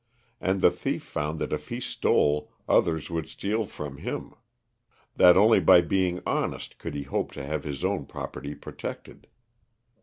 And the thief found that if he stole others would steal from him; that only by being honest could he hope to have his own property protected.